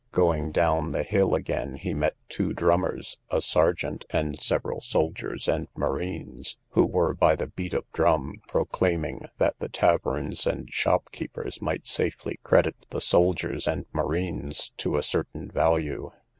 Going down the hill again he met two drummers, a sergeant, and several soldiers and marines, who were, by the beat of drum, proclaiming, that the taverns and shopkeepers might safely credit the soldiers and marines to a certain value.